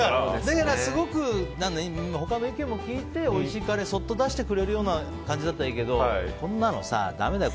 だから、他の意見も聞いておいしいカレーをそっと出してくれるような感じだったいいけどこんなのさ、だめだよ。